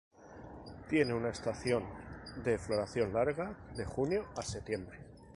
Tiene una estación de floración larga, de junio a septiembre.